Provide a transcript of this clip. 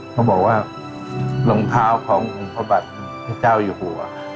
เขาบอกว่ารองเท้าของพระบาทพระเจ้าอยู่หัว